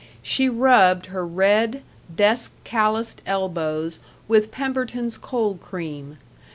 She rubbed her red, desk calloused elbows with Pemberton's cold cream.